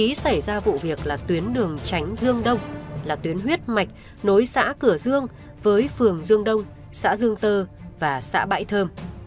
điểm xảy ra vụ việc là tuyến đường tránh dương đông là tuyến huyết mạch nối xã cửa dương với phường dương đông xã dương tơ và xã bãi thơm